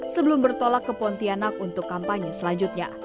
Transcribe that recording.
sebelum bertolak ke pontianak untuk kampanye selanjutnya